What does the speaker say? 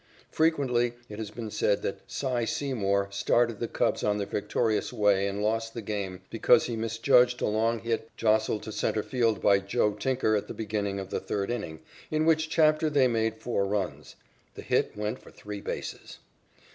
Frequently it has been said that "Cy" Seymour started the Cubs on their victorious way and lost the game, because he misjudged a long hit jostled to centre field by "Joe" Tinker at the beginning of the third inning, in which chapter they made four runs. The hit went for three bases.